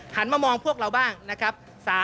มามองพวกเราบ้างนะครับ